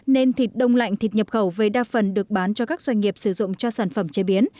nên thịt đông lạnh thịt nhập khẩu về đa phần được bán cho các doanh nghiệp sử dụng cho sản phẩm chế biến